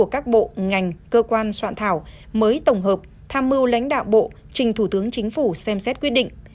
các bộ ngành cơ quan soạn thảo mới tổng hợp tham mưu lãnh đạo bộ trình thủ tướng chính phủ xem xét quyết định